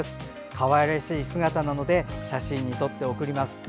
かわいらしい姿なので写真に撮って送ります。